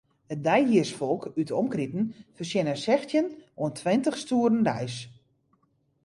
It deihiersfolk út 'e omkriten fertsjinne sechstjin oant tweintich stoeren deis.